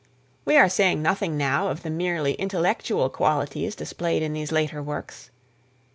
We are saying nothing now of the merely intellectual qualities displayed in these later works.